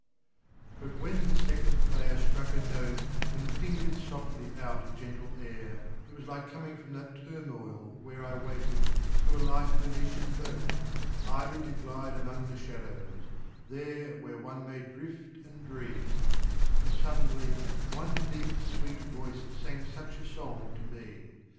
II. But when the second player struck a note And fingered softly out a gentle air It was like coming from that turmoil where I waited, to a light Venetian boat, Idly to glide among the shadows, there Where one may drift and dream; and suddenly One deep sweet voice sang such a song to me.